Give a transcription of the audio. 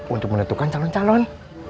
untuk menentukan calon calon